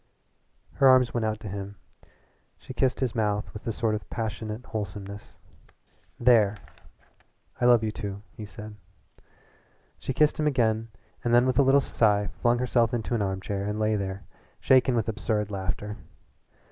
Her arms went out to him. She kissed his mouth with a sort of passionate wholesomeness. "There!" "I love you," he said. She kissed him again and then with a little sigh flung herself into an armchair and half lay there, shaken with absurd laughter.